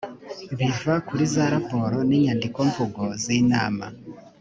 biva kuri za raporo n’inyandikomvugo z’inama